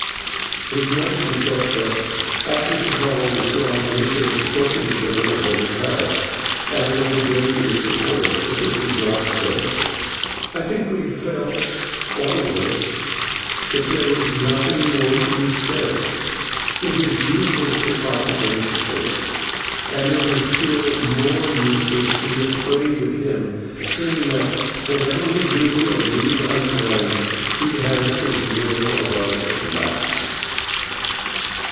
It might be thought that, after Tikal was gone, we should have spoken together of what had passed, and of the dangers before us. But this was not so. I think we felt all of us that there was nothing more to be said. It is useless to fight against Fate, and it is still more useless to be afraid of him, seeing that whatever we do or leave undone, he has his will of us at last.